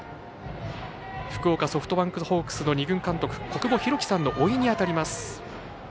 福岡ソフトバンクホークスの２軍監督小久保裕紀さんのおいにあたります。